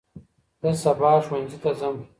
زه سباه ښوونځي ته ځم.